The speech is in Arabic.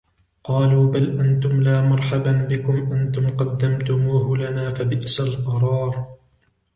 قَالُوا بَلْ أَنْتُمْ لَا مَرْحَبًا بِكُمْ أَنْتُمْ قَدَّمْتُمُوهُ لَنَا فَبِئْسَ الْقَرَارُ